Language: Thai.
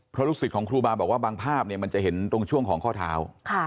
เพราะลูกศิษย์ของครูบาบอกว่าบางภาพเนี่ยมันจะเห็นตรงช่วงของข้อเท้า